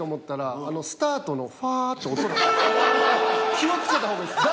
気を付けた方がいいです。